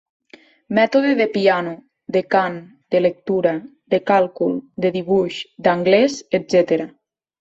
Mètode de piano, de cant, de lectura, de càlcul, de dibuix, d'anglès, etc.